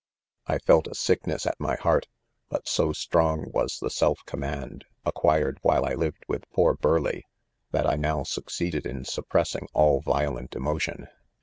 4 1 felt a sickness .at my heart;' but so strong was the self command, acquired while I lived with poor Burleigh, that I now succeeded in suppressing, all. violent emotion.